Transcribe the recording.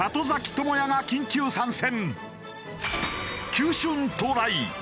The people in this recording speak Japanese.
智也が緊急参戦。